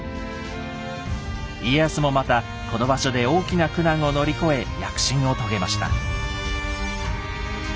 家康もまたこの場所で大きな苦難を乗り越え躍進を遂げました。